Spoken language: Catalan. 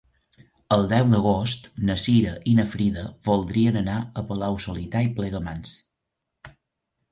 El deu d'agost na Cira i na Frida voldrien anar a Palau-solità i Plegamans.